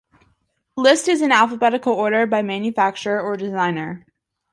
List is in alphabetical order by manufacturer or designer.